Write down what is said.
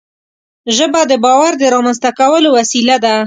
ژبه د باور د رامنځته کولو وسیله ده